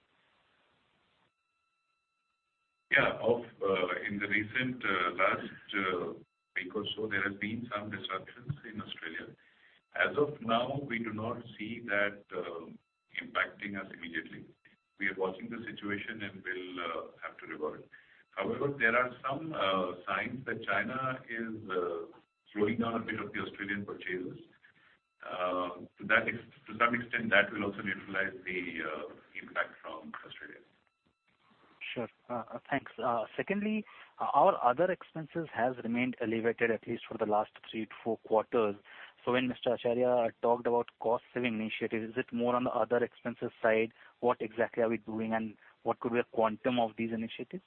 Yeah. In the recent last week or so, there have been some disruptions in Australia. As of now, we do not see that impacting us immediately. We are watching the situation and will have to revert. However, there are some signs that China is slowing down a bit of the Australian purchases. To some extent, that will also neutralize the impact from Australia. Sure. Thanks. Secondly, our other expenses have remained elevated at least for the last three to four quarters. When Mr. Acharya talked about cost-saving initiatives, is it more on the other expenses side? What exactly are we doing, and what could be a quantum of these initiatives?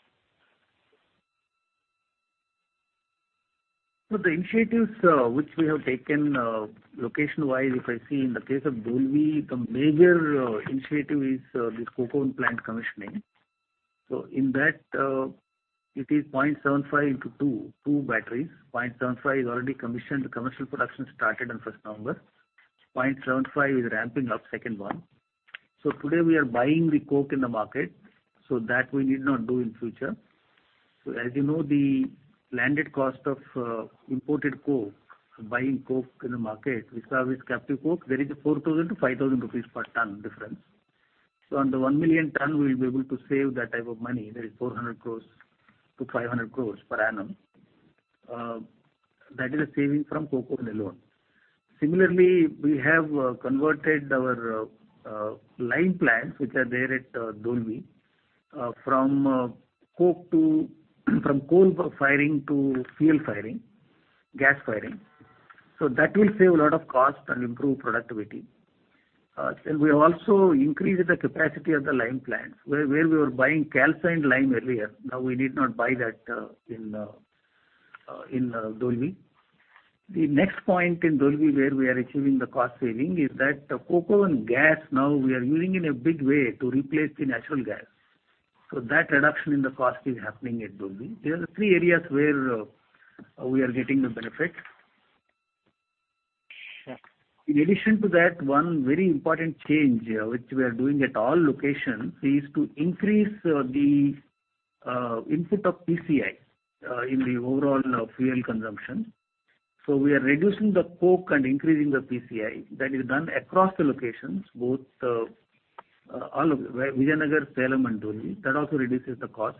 The initiatives, which we have taken, location-wise, if I see in the case of Dolvi, the major initiative is this coke oven plant commissioning. In that, it is 0.75 into two, two batteries. 0.75 is already commissioned. Commercial production started on 1 November. 0.75 is ramping up, second one. Today, we are buying the coke in the market so that we need not do in future. As you know, the landed cost of imported coke, buying coke in the market, we start with captive coke. There is a 4,000 crore-5,000 crore rupees per ton difference. On the 1 million ton, we'll be able to save that type of money. There is 400 crore-500 crore per annum. That is a saving from coke oven alone. Similarly, we have converted our lime plants which are there at Dolvi from coal firing to fuel firing, gas firing. That will save a lot of cost and improve productivity. We also increased the capacity of the lime plants where we were buying calcined lime earlier. Now we need not buy that in Dolvi. The next point in Dolvi where we are achieving the cost saving is that the coke oven gas now we are using in a big way to replace the natural gas. That reduction in the cost is happening at Dolvi. There are three areas where we are getting the benefit. Sure. In addition to that, one very important change, which we are doing at all locations is to increase the input of PCI in the overall fuel consumption. We are reducing the coke and increasing the PCI. That is done across the locations, all of Vijayanagar, Salem, and Dolvi. That also reduces the cost.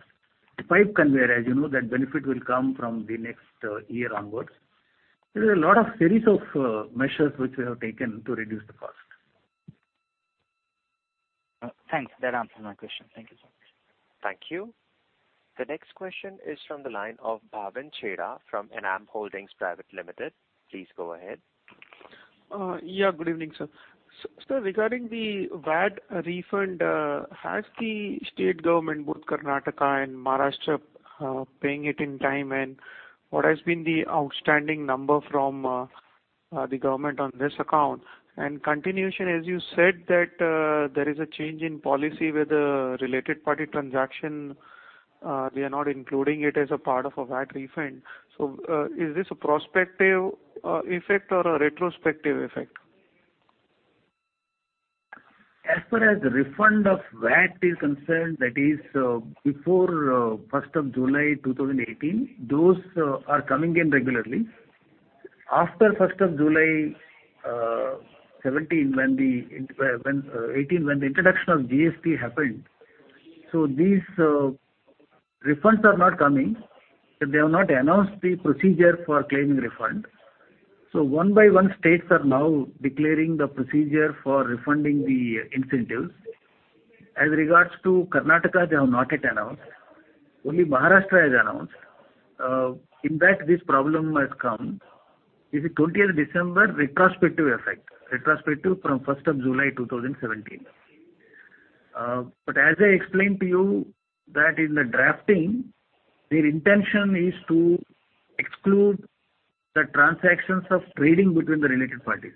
Pipe conveyor, as you know, that benefit will come from the next year onwards. There are a lot of series of measures which we have taken to reduce the cost. Thanks. That answers my question. Thank you, sir. Thank you. The next question is from the line of Bhavin Chheda from Enam Holdings Private Limited. Please go ahead. Yeah, good evening, sir. So regarding the VAT refund, has the state government, both Karnataka and Maharashtra, paying it in time? What has been the outstanding number from the government on this account? In continuation, as you said, that there is a change in policy where the related party transaction, they are not including it as a part of a VAT refund. Is this a prospective effect or a retrospective effect? As far as the refund of VAT is concerned, that is, before 1st of July 2018, those are coming in regularly. After 1st of July 2017, when the, when 2018, when the introduction of GST happened, these refunds are not coming. They have not announced the procedure for claiming refund. One by one, states are now declaring the procedure for refunding the incentives. As regards to Karnataka, they have not yet announced. Only Maharashtra has announced. In that, this problem has come. This is 20th December, retrospective effect, retrospective from 1st of July 2017. As I explained to you, in the drafting, their intention is to exclude the transactions of trading between the related parties.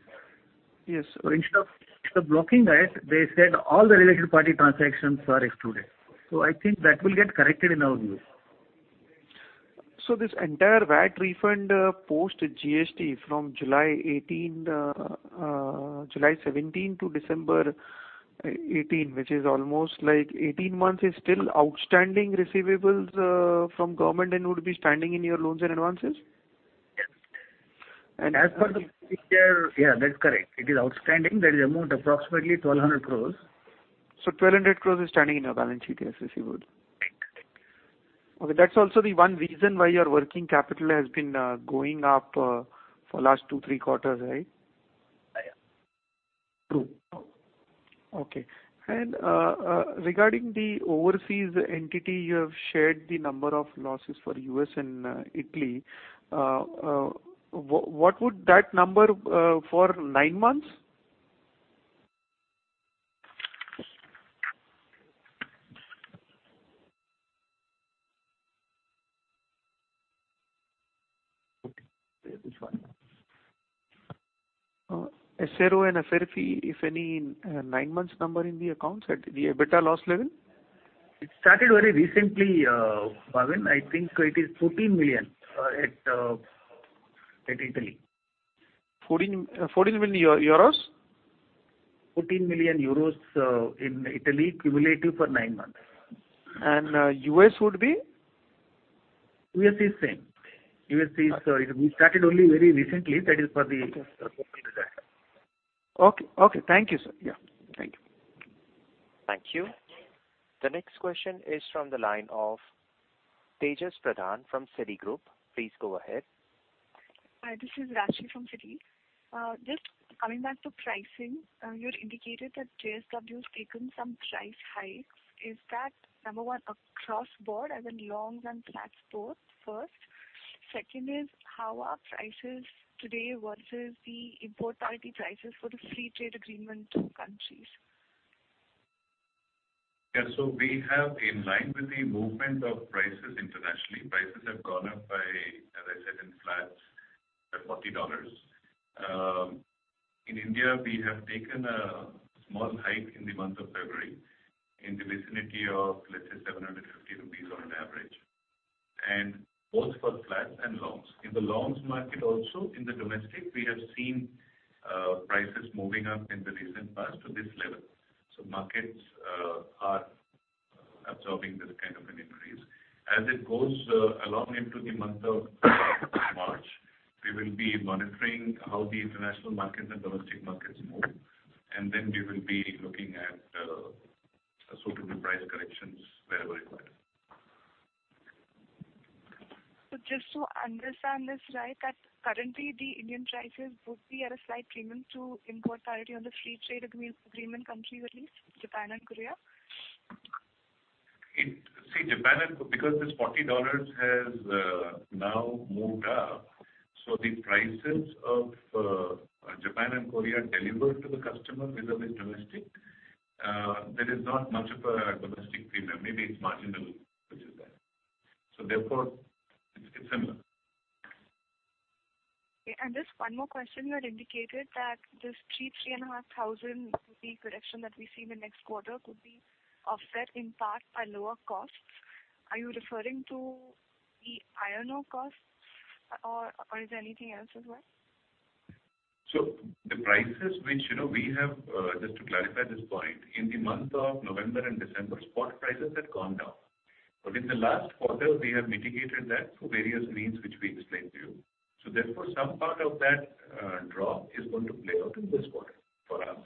Yes, sir. Instead of blocking that, they said all the related party transactions are excluded. I think that will get corrected in our view. This entire VAT refund, post GST from July 2017 to December 2018, which is almost like 18 months, is still outstanding receivables from government and would be standing in your loans and advances? Yes. And. As per the procedure, yeah, that's correct. It is outstanding. That is amount approximately 1,200 crore. 1,200 crore is standing in your balance sheet as receivables? Correct. Okay. That's also the one reason why your working capital has been going up for the last two, three quarters, right? True. Okay. Regarding the overseas entity, you have shared the number of losses for U.S. and Italy. What would that number be for nine months? Okay. This one. Acero and Aferpi, if any, in nine months number in the accounts at the EBITDA loss level? It started very recently, Bhavin. I think it is 14 million at Italy. 14 million euros? 14 million euros, in Italy, cumulative for nine months. U.S. would be? U.S. is same. U.S. is, we started only very recently. That is for the total result. Okay. Okay. Thank you, sir. Yeah. Thank you. Thank you. The next question is from the line of Tejas Pradhan from Citigroup. Please go ahead. Hi, this is Rashi from Citi. Just coming back to pricing, you had indicated that JSW has taken some price hikes. Is that, number one, across board as in long and flat support first? Second is, how are prices today versus the import parity prices for the free trade agreement countries? Yeah. We have, in line with the movement of prices internationally, prices have gone up by, as I said, in flats, $40. In India, we have taken a small hike in the month of February in the vicinity of, let's say, 750 crore rupees on an average. Both for flat and longs. In the longs market also, in the domestic, we have seen prices moving up in the recent past to this level. Markets are absorbing this kind of an increase. As it goes along into the month of March, we will be monitoring how the international markets and domestic markets move. We will be looking at suitable price corrections wherever required. Just to understand this right, that currently, the Indian prices would be at a slight premium to import parity on the free trade agreement countries at least, Japan and Korea? It see, Japan and because this $40 has now moved up, the prices of Japan and Korea delivered to the customer vis-à-vis domestic, there is not much of a domestic premium. Maybe it's marginal, which is there. It's similar. Okay. Just one more question. You had indicated that this 3,000 crore-3,500 crore rupee correction that we see in the next quarter could be offset in part by lower costs. Are you referring to the iron ore costs or is there anything else as well? The prices which, you know, we have, just to clarify this point, in the month of November and December, spot prices had gone down. In the last quarter, we have mitigated that through various means which we explained to you. Therefore, some part of that drop is going to play out in this quarter for us.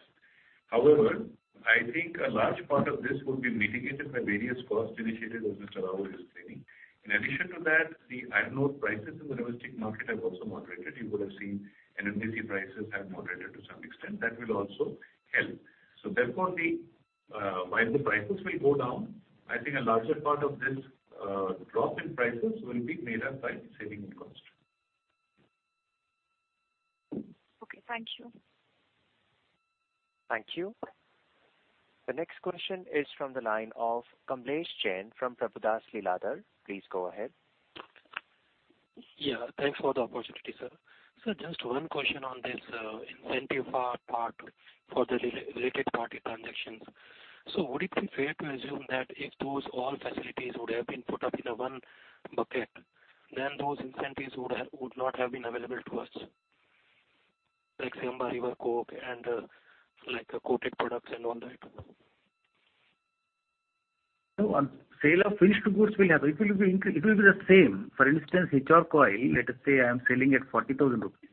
However, I think a large part of this would be mitigated by various costs initiated as Mr. Rao is explaining. In addition to that, the iron ore prices in the domestic market have also moderated. You would have seen NMDC prices have moderated to some extent. That will also help. Therefore, while the prices will go down, I think a larger part of this drop in prices will be made up by saving in cost. Okay. Thank you. Thank you. The next question is from the line of Kamlesh Jain from Prabhudas Lilladher. Please go ahead. Yeah. Thanks for the opportunity, sir. Sir, just one question on this incentive part for the related party transactions. Would it be fair to assume that if those all facilities would have been put up in one bucket, then those incentives would not have been available to us, like Amba River Coke and like Coke products and all that? No, on sale of finished goods, we'll have it will be the same. For instance, HR coil, let us say I am selling at 40,000 crore rupees.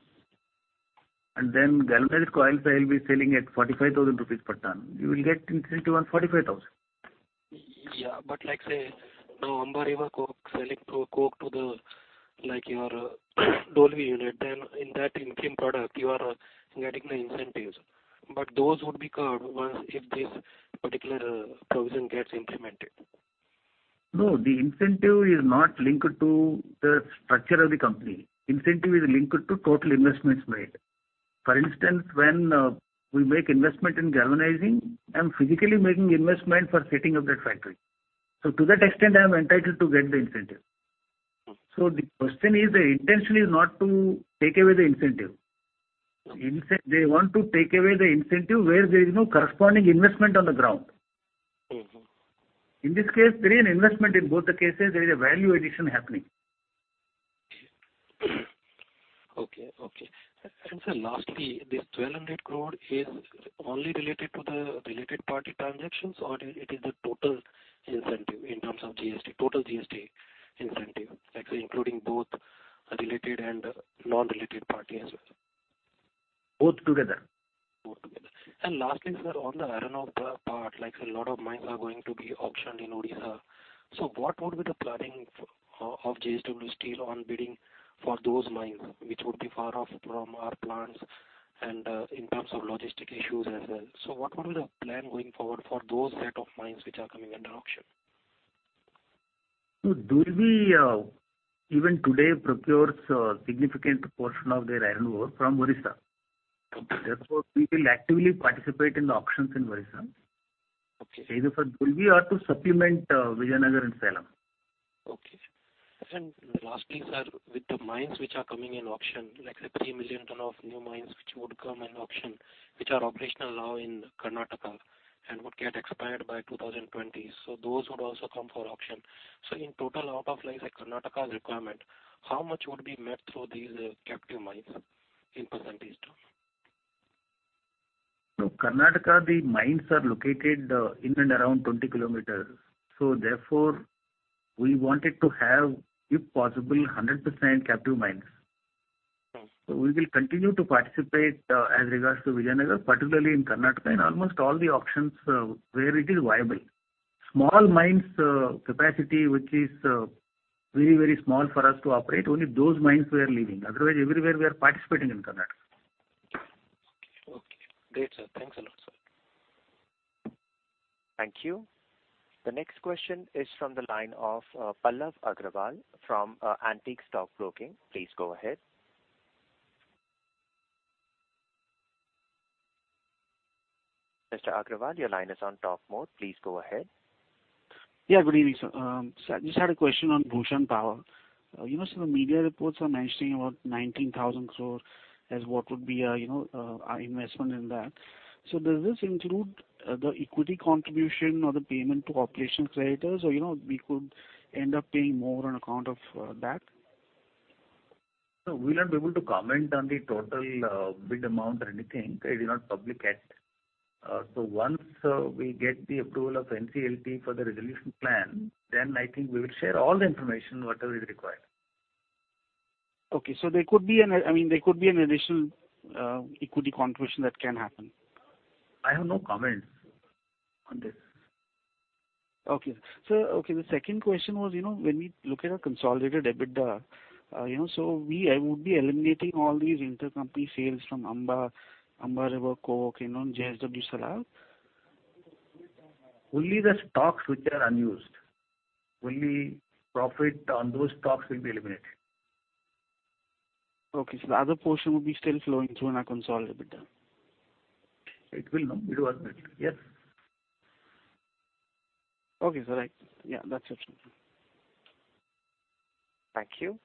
And then galvanized coils, I'll be selling at 45,000 crore rupees per ton. You will get incentive on 45,000 crore. Yeah. Like, say, now Amba River Coke selling a coke to your Dolvi unit, then in that income product, you are getting the incentives. Those would be covered once, if this particular provision gets implemented. No, the incentive is not linked to the structure of the company. Incentive is linked to total investments made. For instance, when we make investment in galvanizing, I'm physically making investment for setting up that factory. To that extent, I am entitled to get the incentive. Mm-hmm. The question is the intention is not to take away the incentive. Mm-hmm. They want to take away the incentive where there is no corresponding investment on the ground. Mm-hmm. In this case, there is an investment in both the cases. There is a value addition happening. Okay. Okay. Sir, lastly, this 1,200 crore is only related to the related party transactions or is it the total incentive in terms of GST, total GST incentive, like including both related and non-related party as well? Both together. Both together. Lastly, sir, on the iron ore part, like a lot of mines are going to be auctioned in Odisha. What would be the planning for, of JSW Steel on bidding for those mines which would be far off from our plants and, in terms of logistic issues as well? What would be the plan going forward for those set of mines which are coming under auction? Dolvi, even today, procures a significant portion of their iron ore from Odisha. Okay. Therefore, we will actively participate in the auctions in Odisha. Okay. Either for Dolvi or to supplement, Vijayanagar and Salem. Okay. Lastly, sir, with the mines which are coming in auction, like the 3 million ton of new mines which would come in auction, which are operational now in Karnataka and would get expired by 2020, those would also come for auction. In total, out of, like say, Karnataka's requirement, how much would be met through these captive mines in percentage term? Karnataka, the mines are located in and around 20 km. Therefore, we wanted to have, if possible, 100% captive mines. We will continue to participate, as regards to Vijayanagar, particularly in Karnataka, in almost all the auctions where it is viable. Small mines, capacity which is very, very small for us to operate, only those mines we are leaving. Otherwise, everywhere we are participating in Karnataka. Okay. Great, sir. Thanks a lot, sir. Thank you. The next question is from the line of Pallav Agarwal from Antique Stockbroking. Please go ahead. Mr. Agarwal, your line is on talk mode. Please go ahead. Yeah. Good evening, sir. Sir, I just had a question on Bhushan Power. You know, sir, the media reports are mentioning about 19,000 crore as what would be a, you know, investment in that. Does this include the equity contribution or the payment to operations creditors? Or, you know, we could end up paying more on account of that? No, we'll not be able to comment on the total bid amount or anything. It is not public yet. Once we get the approval of NCLT for the resolution plan, then I think we will share all the information, whatever is required. Okay. There could be an, I mean, there could be an additional equity contribution that can happen? I have no comments on this. Okay. Sir, okay, the second question was, you know, when we look at a consolidated EBITDA, you know, so we I would be eliminating all these intercompany sales from Amba River Coke, you know, and JSW Salav? Only the stocks which are unused. Only profit on those stocks will be eliminated. Okay. The other portion would be still flowing through in our consolidated EBITDA? It will not be worth it. Yes. Okay, sir. Right. Yeah. That's it. Thank you.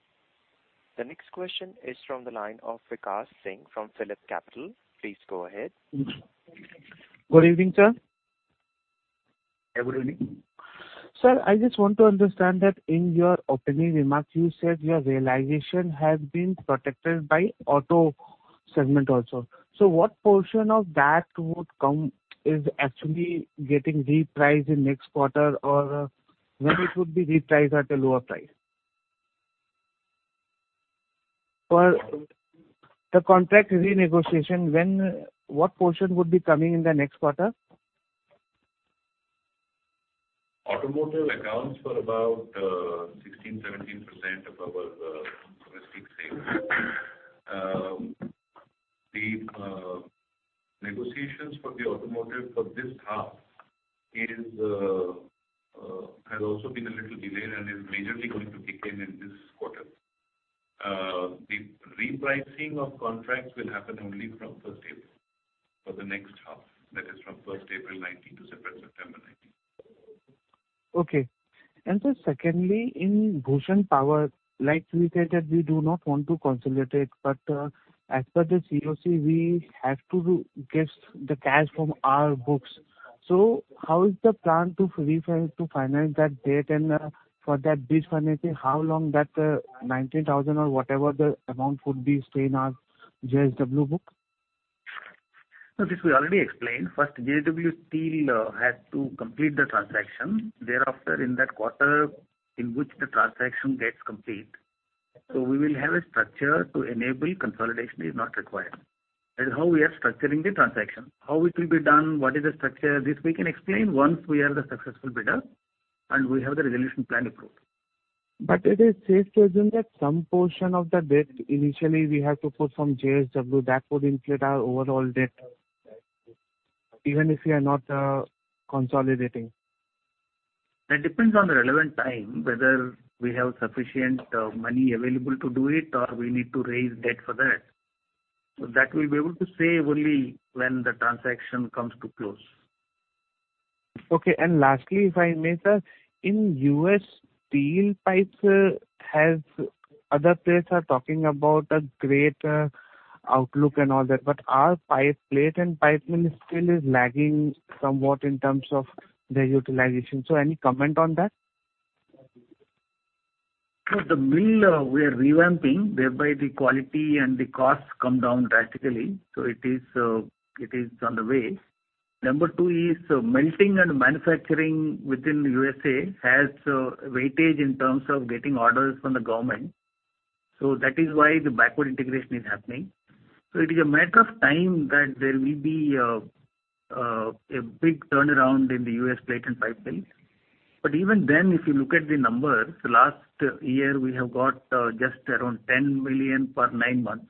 The next question is from the line of Vikash Singh from Phillip Capital. Please go ahead. Good evening, sir. Yeah. Good evening. Sir, I just want to understand that in your opening remark, you said your realization has been protected by auto segment also. What portion of that would come is actually getting repriced in next quarter or when it would be repriced at a lower price? For the contract renegotiation, what portion would be coming in the next quarter? Automotive accounts for about 16%-17% of our domestic sales. The negotiations for the automotive for this half have also been a little delayed and are majorly going to kick in in this quarter. The repricing of contracts will happen only from April 1 for the next half, that is from April 1, 2019 to September 2, 2019. Okay. Sir, secondly, in Bhushan Power, like we said that we do not want to consolidate, but, as per the COC, we have to give the cash from our books. How is the plan to refinance that debt and, for that bid financing, how long that 19,000 crore or whatever the amount would be stay in our JSW Steel book? No, this we already explained. First, JSW Steel has to complete the transaction. Thereafter, in that quarter in which the transaction gets complete, we will have a structure to enable consolidation is not required. That is how we are structuring the transaction. How it will be done, what is the structure, this we can explain once we have the successful bidder and we have the resolution plan approved. Is it safe to assume that some portion of the debt initially we have to put from JSW that would inflate our overall debt even if we are not consolidating? That depends on the relevant time, whether we have sufficient money available to do it or we need to raise debt for that. We will be able to say only when the transaction comes to close. Okay. Lastly, if I may, sir, in U.S., steel pipes, as other players are talking about a great outlook and all that. Our plate and pipe is still lagging somewhat in terms of their utilization. Any comment on that? Sir, the mill, we are revamping, thereby the quality and the costs come down drastically. It is on the way. Number two is, melting and manufacturing within the U.S. has weightage in terms of getting orders from the government. That is why the backward integration is happening. It is a matter of time that there will be a big turnaround in the US Plate and Pipe Mill. Even then, if you look at the numbers, last year, we have got just around $10 million per nine months.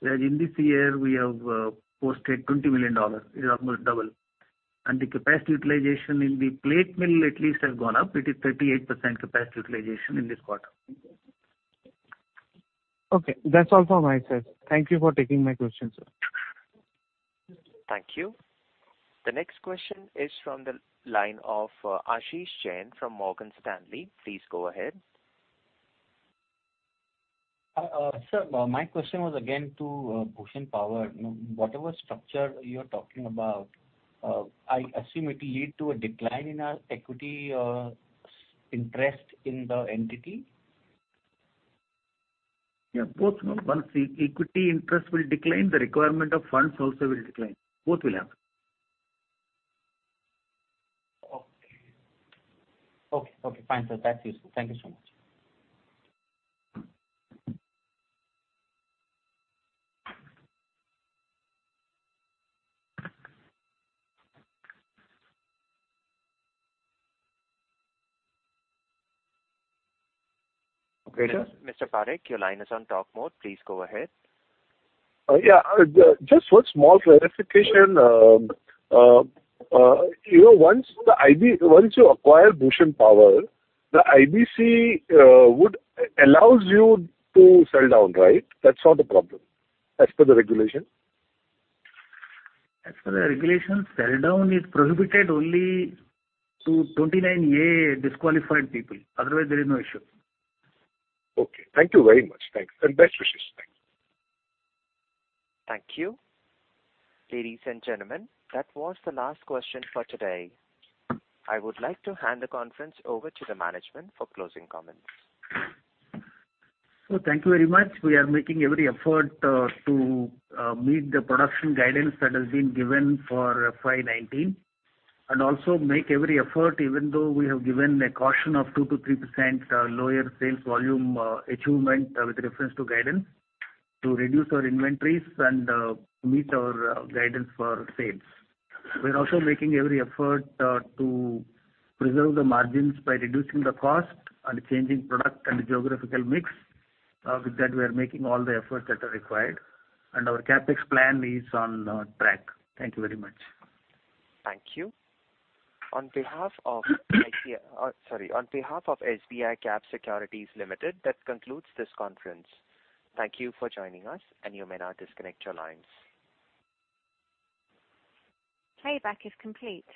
Whereas in this year, we have posted $20 million. It is almost double. The capacity utilization in the plate mill at least has gone up. It is 38% capacity utilization in this quarter. Okay. That's all from my side. Thank you for taking my question, sir. Thank you. The next question is from the line of Ashish Jain from Morgan Stanley. Please go ahead. Sir, my question was again to Bhushan Power. No, whatever structure you're talking about, I assume it will lead to a decline in our equity interest in the entity? Yeah. Both, you know, once the equity interest will decline, the requirement of funds also will decline. Both will happen. Okay. Okay. Okay. Fine. Sir, that's useful. Thank you so much. Okay. Sir. Sir, Mr. Parekh, your line is on talk mode. Please go ahead. Yeah. Just one small clarification. You know, once you acquire Bhushan Power, the IBC would allow you to sell down, right? That's not a problem as per the regulation? As per the regulation, sell down is prohibited only to 29A disqualified people. Otherwise, there is no issue. Okay. Thank you very much. Thanks. Best wishes. Thanks. Thank you. Ladies and gentlemen, that was the last question for today. I would like to hand the conference over to the management for closing comments. Sir, thank you very much. We are making every effort to meet the production guidance that has been given for FY 2019. We also make every effort, even though we have given a caution of 2-3% lower sales volume achievement with reference to guidance, to reduce our inventories and meet our guidance for sales. We are also making every effort to preserve the margins by reducing the cost and changing product and geographical mix. With that, we are making all the efforts that are required. Our CapEx plan is on track. Thank you very much. Thank you. On behalf of SBI Cap Securities Limited, that concludes this conference. Thank you for joining us, and you may now disconnect your lines. Payback is complete.